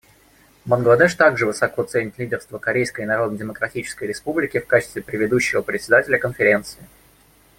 Бангладеш также высоко ценит лидерство Корейской Народно-Демократической Республики в качестве предыдущего Председателя Конференции.